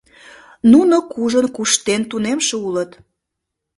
Нуно кужун куштен тунемше улыт.